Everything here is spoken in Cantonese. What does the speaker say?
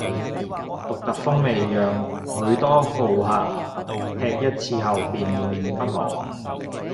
獨特風味讓許多饕客們吃一次後便念念不忘